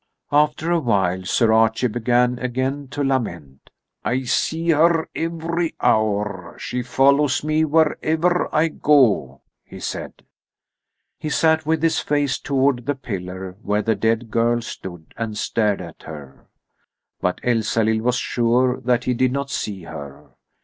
After a while Sir Archie began again to lament. "I see her every hour. She follows me wherever I go," he said. He sat with his face toward the pillar where the dead girl stood, and stared at her. But Elsalill was sure that he did not see her.